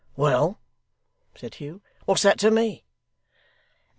'Well!' said Hugh. 'What's that to me?